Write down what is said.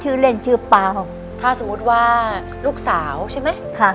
ชื่อเล่นชื่อเปล่าถ้าสมมุติว่าลูกสาวใช่ไหมค่ะ